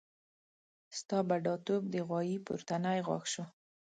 ستا بډاتوب د غوايي پورتنی غاښ شو.